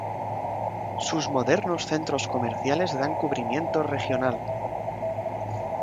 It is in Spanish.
Sus modernos centros comerciales dan cubrimiento regional.